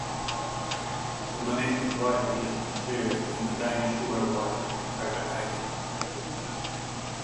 The monastic library is preserved in the "Danish Royal Library" in Copenhagen.